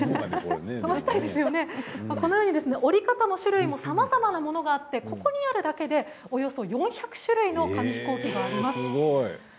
折り方も種類もさまざまなものがあってここにあるだけで４００種類の紙ヒコーキがあります。